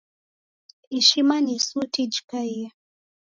Ishima ni suti jikaiye.